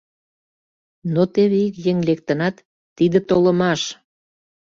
Но теве ик еҥ лектынат: “Тиде толымаш.